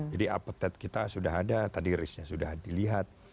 jadi appetite kita sudah ada tadi risknya sudah dilihat